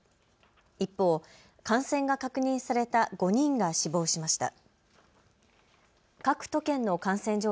一方、感染が確認された５人が死亡しました。